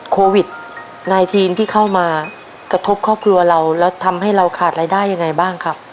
โควิด๑๙ทีมที่เข้ามากระทบครอบครัวเราแล้วทำให้เราขาดรายได้ยังไงบ้างครับ